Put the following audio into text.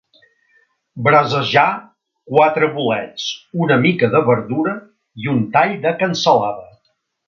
Brasejar quatre bolets, una mica de verdura i un tall de cansalada.